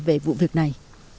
về vụ việc này